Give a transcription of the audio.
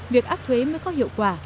việc áp thuế mới có hiệu quả